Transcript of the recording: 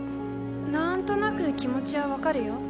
なんとなく気持ちは分かるよ。